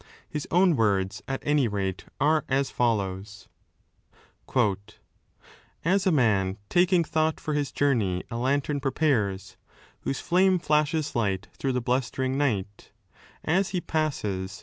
His own words, at any rate, are as follows *:As a man taking thought for his joumej A lantern prepares, whose flame flashes light Through the blustering night, as he passes.